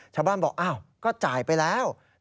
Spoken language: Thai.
ชาวบ้านบอกอ้าวก็จ่ายไปแล้ว